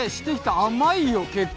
甘いよ結構。